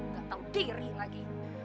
gak tau diri lagi